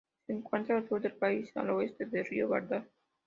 Se encuentra al sur del país, al oeste del río Vardar.